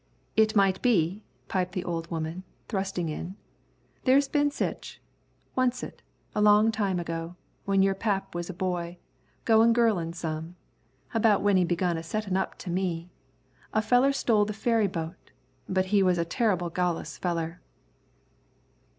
"It might be," piped the old woman, thrusting in. "There's been sich. Oncet, a long time ago, when your pap was a boy, goin' girlin' some, about when he begun a settin' up to me, a feller stole the ferryboat, but he was a terrible gallus feller."